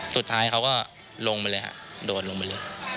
สุดท้ายเขาก็ลงไปเลยฮะโดดลงไปเลย